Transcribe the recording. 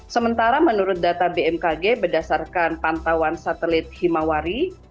sementara menurut data bmkg berdasarkan pantauan satelit himawari